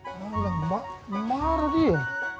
alah mbak marah dia